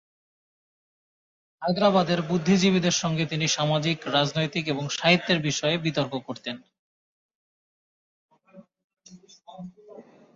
হায়দ্রাবাদের বুদ্ধিজীবীদের সংগে তিনি সামাজিক, রাজনৈতিক এবং সাহিত্যের বিষয়ে বিতর্ক করতেন।